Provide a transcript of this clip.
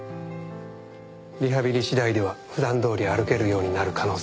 リハビリ次第では普段どおり歩けるようになる可能性が高い